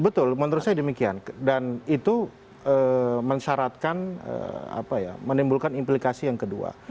betul menurut saya demikian dan itu mensyaratkan menimbulkan implikasi yang kedua